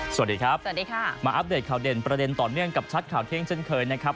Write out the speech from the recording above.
สวัสดีครับสวัสดีค่ะมาอัปเดตข่าวเด่นประเด็นต่อเนื่องกับชัดข่าวเที่ยงเช่นเคยนะครับ